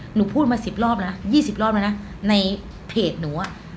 หนูพูดมา๑๐รอบนะ๒๐รอบแล้วนะในเพจหนูอ่ะ